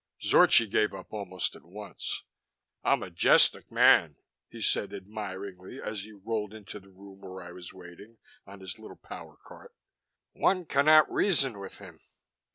Zorchi gave up almost at once. "A majestic man!" he said admiringly, as he rolled into the room where I was waiting, on his little power cart. "One cannot reason with him."